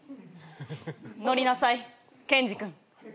乗りなさいケンジ君。